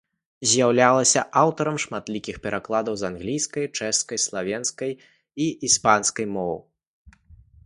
З'яўлялася аўтарам шматлікіх перакладаў з англійскай, чэшскай, славенскай і іспанскай моў.